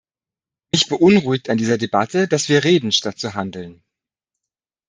Mich beunruhigt an dieser Debatte, dass wir reden, statt zu handeln.